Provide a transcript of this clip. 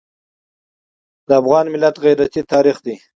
د افغان ملت غیرت تاریخي دی.